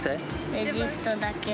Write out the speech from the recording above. エジプトだけ。